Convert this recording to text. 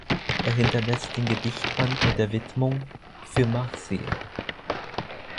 Er hinterlässt den Gedichtband mit der Widmung „Für Marcia“.